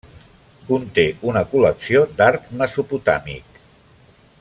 Conté una col·lecció d'art mesopotàmic.